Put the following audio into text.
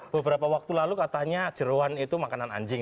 beberapa waktu lalu katanya jeruan itu makanan anjing